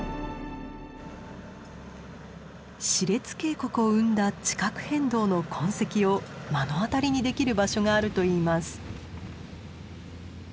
シレツ渓谷を生んだ地殻変動の痕跡を目の当たりにできる場所があるといいます。